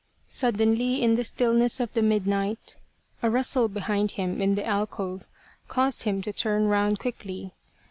Suddenly, in the stillness of the midnight, a rustle behind him in the alcove caused him to turn round quickly.